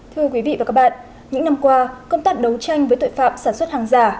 thưa quý vị và các bạn những năm qua công tác đấu tranh với tội phạm sản xuất hàng giả